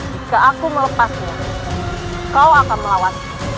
jika aku melepasnya kau akan melawan